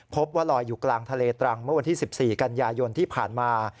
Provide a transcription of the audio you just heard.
พบว่าลอยอยู่กลางทะเลตรังเมื่อวันที่๑๔กันยายนที่ผ่านมา